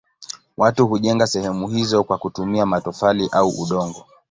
Watu hujenga sehemu hizo kwa kutumia matofali au udongo.